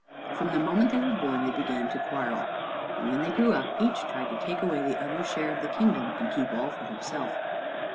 From the moment they were born they began to quarrel, and when they grew up, each tried to take away the other's share of the kingdom and keep all for himself.